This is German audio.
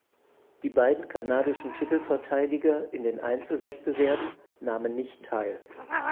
Die beiden kanadischen Titelverteidiger in den Einzelwettbewerben nahmen nicht teil.